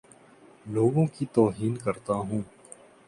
لوگوں کی توہین کرتا ہوں